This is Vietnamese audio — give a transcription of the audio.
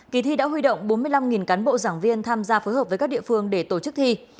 kỳ thi đã huy động bốn mươi năm cán bộ giảng viên tham gia phối hợp với các địa phương để tổ chức thi